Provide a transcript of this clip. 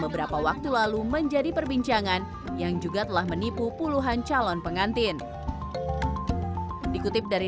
beberapa waktu lalu menjadi perbincangan yang juga telah menipu puluhan calon pengantin dikutip dari